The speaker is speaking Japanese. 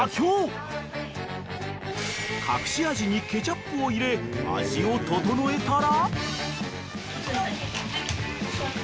［隠し味にケチャップを入れ味を調えたら］